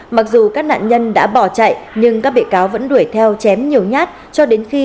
mặc dù các nạn nhân đã bỏ chạy nhưng các bị cáo vẫn đuổi theo chém nhiều nhát cho đến khi